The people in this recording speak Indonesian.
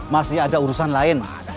masih ada urusan lain